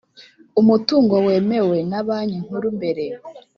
Umutungo wemewe na banki nkuru mbere